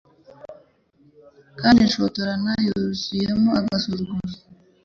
kandi ashotorana, yuzuyemo agasuzuguro.